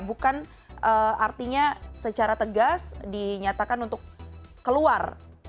bukan artinya secara tegas dinyatakan untuk keluar